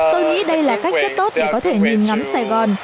tôi nghĩ đây là cách rất tốt để có thể nhìn ngắm sài gòn